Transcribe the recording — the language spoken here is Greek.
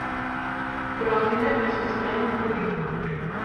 πρότεινε με σβησμένη φωνή.